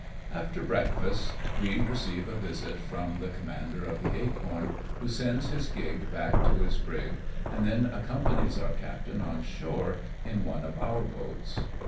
After breakfast we receive a visit from the com mander of the Acorn, who sends his gig back to his brig, and then accompanies our captain on shore in one of our boats.